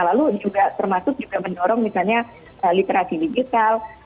lalu juga termasuk juga mendorong misalnya literasi digital